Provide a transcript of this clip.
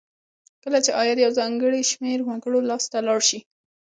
کله چې عاید یو ځانګړي شمیر وګړو لاس ته لاړ شي.